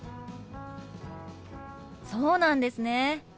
そうなんですね。